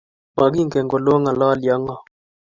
makingen ile ong'alani ak ng'o